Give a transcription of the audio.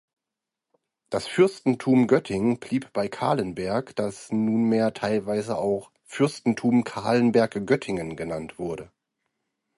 Das Fürstentum Göttingen blieb bei Calenberg, das nunmehr teilweise auch Fürstentum Calenberg-Göttingen genannt wurde.